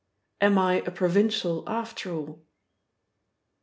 Am I a provincial after all?"